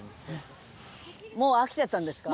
もう飽きちゃったんですか？